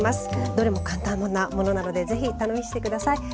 どれも簡単なものなのでぜひ試して下さい。